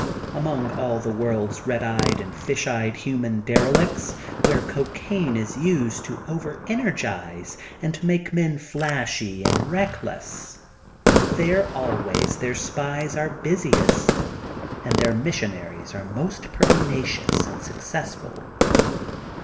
Among all the world ^s red eyed and fish eyed human derelicts, where cocaine is used to over en ergize, and to make men flashy and reckless, there always their spies are busiest, and their missionaries are most pertinacious and suc cessful.